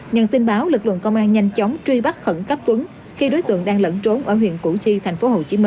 nhận tin báo lực lượng công an nhanh chóng truy bắt khẩn cấp tuấn khi đối tượng đang lẫn trốn ở huyện củ chi tp hcm